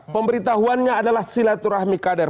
pemberitahuannya adalah silaturahmi kader